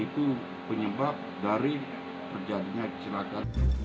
itu penyebab dari terjadinya kecelakaan